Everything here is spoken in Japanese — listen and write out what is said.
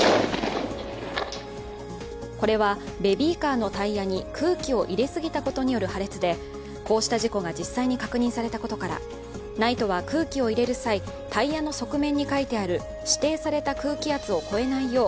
これはベビーカーのタイヤに空気を入れすぎたことによる破裂で、こうした事故が実際に確認されたことからＮＩＴＥは空気を入れる際タイヤの側面に書いてある指定された空気圧を超えないよう